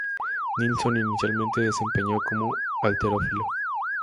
Nilsson inicialmente se desempeñó como halterófilo.